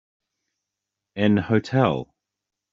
An hotel.